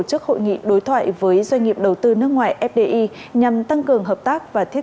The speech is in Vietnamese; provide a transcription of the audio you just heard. trước hội nghị đối thoại với doanh nghiệp đầu tư nước ngoài fdi nhằm tăng cường hợp tác và thiết